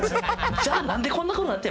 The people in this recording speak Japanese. じゃ何でこんなことなった⁉」